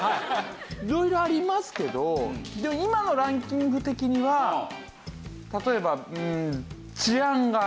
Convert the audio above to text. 色々ありますけどでも今のランキング的には例えばうーん。